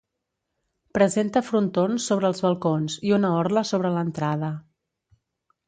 Presenta frontons sobre els balcons i una orla sobre l'entrada.